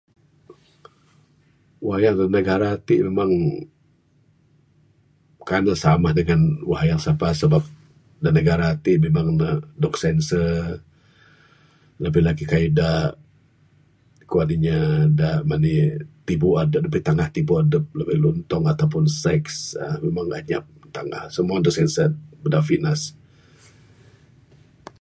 Wayang da negara tik memang, kai ne samah dengan wayang sapa sebab wayang da negara tik memang ne dog senser, lebih lagi'k kayuh da kuan inya, da manik, tibu adup, da pitanggah tibu adup lebih luntong ataupun seks, uhh, memang anyap tanggah. Semua dog senser bada Finas.